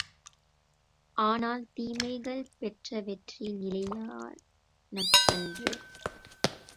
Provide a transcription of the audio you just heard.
ஆனால் தீமைகள் பெற்ற வெற்றி நிலையானதன்று.